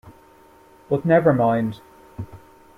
But never mind!